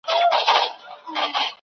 د انسان یو امتیاز د هغه روحي برتري ده.